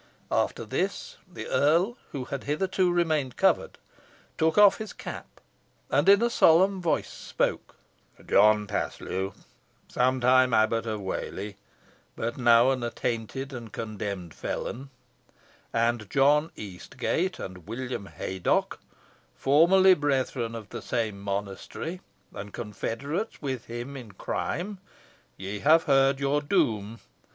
After this the earl, who had hitherto remained covered, took off his cap, and in a solemn voice spoke: "John Paslew, somewhile Abbot of Whalley, but now an attainted and condemned felon, and John Eastgate and William Haydocke, formerly brethren of the same monastery, and confederates with him in crime, ye have heard your doom.